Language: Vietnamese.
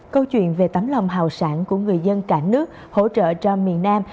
câu chuyện về tấm lòng hào sản của người dân cả nước hỗ trợ cho miền nam